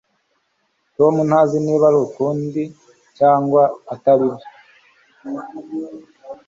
Tom ntazi niba arukuri cyangwa atari byo